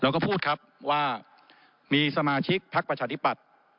แล้วก็พูดครับว่ามีสมาชิกภประชาธิปัติ